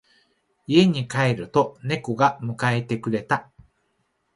家に帰ると猫が迎えてくれた。